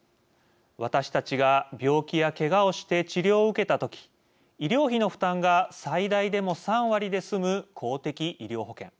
私たちが病気やけがをして治療を受けた時医療費の負担が最大でも３割で済む公的医療保険。